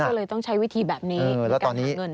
ก็เลยต้องใช้วิธีแบบนี้หลักการหนังหนึ่ง